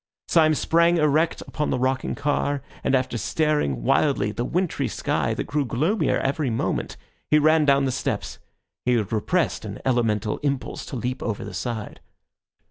Syme sprang erect upon the rocking car, and after staring wildly at the wintry sky, that grew gloomier every moment, he ran down the steps. He had repressed an elemental impulse to leap over the side.